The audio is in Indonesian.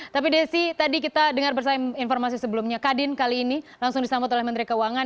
tapi desi tadi kita dengar bersama informasi sebelumnya kadin kali ini langsung disambut oleh menteri keuangan